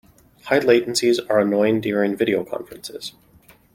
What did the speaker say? High latencies are annoying during video conferences.